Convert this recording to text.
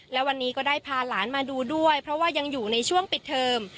และวันนี้ก็ได้พาหลานมาดูด้วยเพราะว่ายังอยู่ในช่วงปิดเทอม